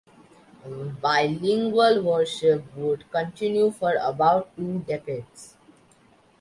Bilingual worship would continue for about two decades.